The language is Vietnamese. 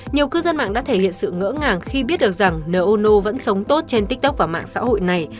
nhiều cư dân mạng đã thể hiện sự ngỡ ngàng khi biết được rằng nô ô nô vẫn sống tốt trên tiktok và mạng xã hội này